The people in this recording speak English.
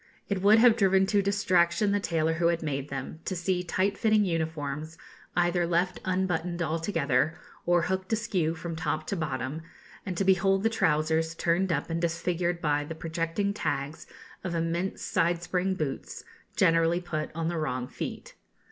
It would have driven to distraction the tailor who made them, to see tight fitting uniforms either left unbuttoned altogether, or hooked askew from top to bottom, and to behold the trousers turned up and disfigured by the projecting tags of immense side spring boots, generally put on the wrong feet.